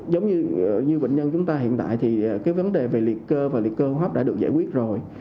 giống như bệnh nhân chúng ta hiện tại thì cái vấn đề về liệt cơ và liệt cơ hấp đã được giải quyết rồi